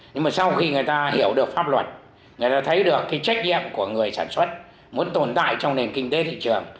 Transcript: nhưng mà sau khi người ta hiểu được pháp luật người ta thấy được cái trách nhiệm của người sản xuất muốn tồn tại trong nền kinh tế thị trường